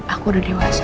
aku udah dewasa pak